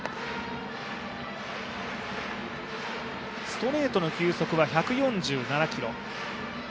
ストレートの急速は１４７キロ。